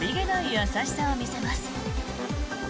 優しさを見せます。